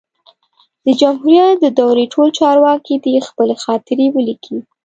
د جمهوریت د دورې ټول چارواکي دي او خپلي خاطرې ولیکي